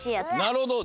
なるほど。